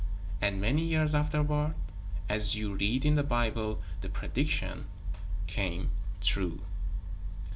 And, many years afterward, as you read in the Bible, the prediction came true.